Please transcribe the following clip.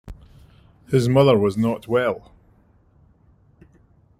His mother was not well.